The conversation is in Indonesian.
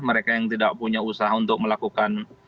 mereka yang tidak punya usaha untuk melakukan